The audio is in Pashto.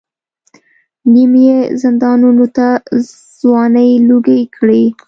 نیم یې زندانونو ته ځوانۍ لوګۍ کړې.